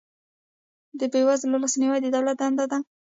د بې وزلو لاسنیوی د دولت دنده ده